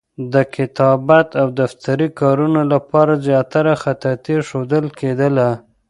د کتابت او دفتري کارونو لپاره زیاتره خطاطي ښودل کېدله.